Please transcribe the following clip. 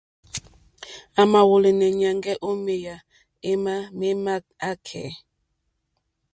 A mà wɔ̀lɛ̀nɛ̀ nyàŋgɛ̀ o meya ema me ma akɛ̀ɛ̀.